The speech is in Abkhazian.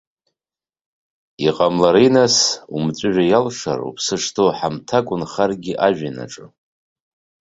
Иҟамлари, нас, умҵәыжәҩа иалшар, уԥсы шҭоу ҳамҭак унхаргьы жәҩан аҿы.